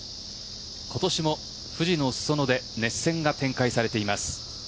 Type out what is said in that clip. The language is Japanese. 今年も富士の裾野で熱戦が展開されています。